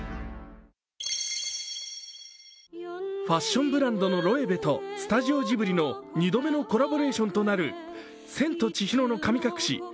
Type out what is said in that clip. ファッションブランドのロエベとスタジオジブリの２度目のコラボレーションとなる「千と千尋の神隠し」